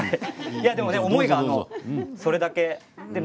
でも思いがそれだけ。